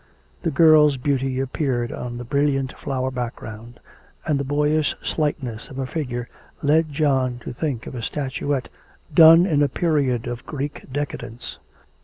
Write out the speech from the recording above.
The girl's beauty appeared on the brilliant flower background; and the boyish slightness of her figure led John to think of a statuette done in a period of Greek decadence.